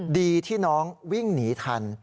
ดีที่น้องวิ่งหนีทัน